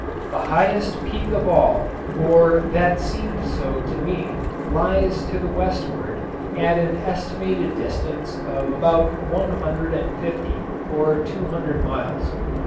The highest peak of all, or that seemed so to me, lies to the westward at an estimated distance of about one hundred and fifty or two hundred miles.